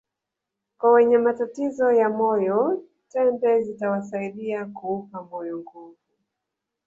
Kwa wenye matatizo ya moyo tende zitawasaidia kuupa moyo nguvu